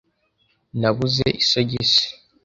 Nabuze isogisi.